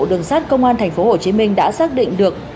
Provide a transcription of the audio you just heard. đường sát công an tp hcm đã xác định được